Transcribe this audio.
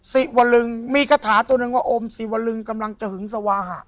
สิวลึงมีคาถาตัวหนึ่งว่าอมศิวลึงกำลังจะหึงสวาหะ